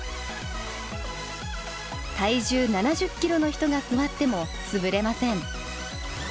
体重７０キロの人が座っても潰れません。